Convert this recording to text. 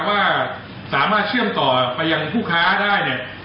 ว่าสามารถเชื่อมต่อไปยังคู่ค้าได้